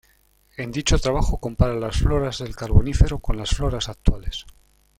En dicho trabajo compara las floras del Carbonífero con las floras actuales.